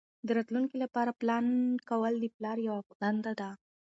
د راتلونکي لپاره پلان کول د پلار یوه دنده ده.